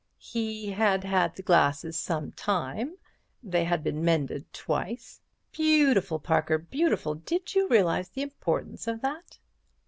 "He had had the glasses some time—they had been mended twice." "Beautiful, Parker, beautiful. Did you realize the importance of that?"